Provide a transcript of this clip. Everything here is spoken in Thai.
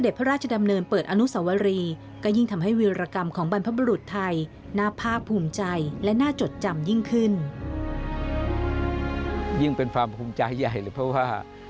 ยิ่งเป็นความภูมิใจใหญ่เลยเพราะว่า